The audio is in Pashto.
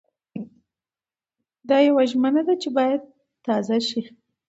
دا يوه ژمنه ده چې بايد تازه شي.